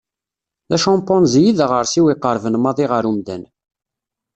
D acampanzi i d aɣersiw iqerben maḍi ɣer umdan.